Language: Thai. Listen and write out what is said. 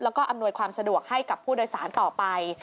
แล้วก็อำนวยความสะดวกให้กับผู้โดยสารต่อไป